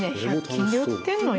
１００均で売ってるの？